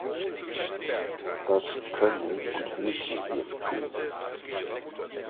Das können und müssen wir tun.